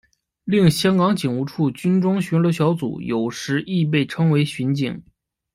另香港警务处军装巡逻小队有时亦被称为巡警。